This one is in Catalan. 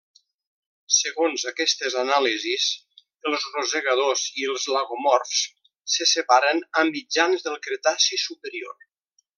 Segons aquestes anàlisis, els rosegadors i els lagomorfs se separaren a mitjans del Cretaci superior.